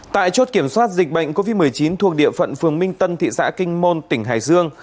tại chốt kiểm soát dịch bệnh covid một mươi chín thuộc địa phận phường minh tân thị xã kinh môn tỉnh hải dương